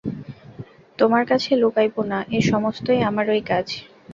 তোমার কাছে লুকাইব না, এ-সমস্তই আমারই কাজ।